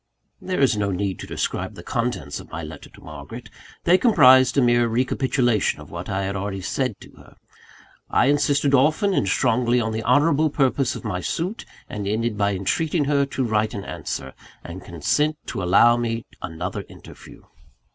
There is no need to describe the contents of my letter to Margaret; they comprised a mere recapitulation of what I had already said to her. I insisted often and strongly on the honourable purpose of my suit; and ended by entreating her to write an answer, and consent to allow me another interview.